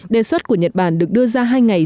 đề xuất của nhật bản được đưa ra hai ngày